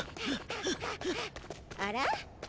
あら？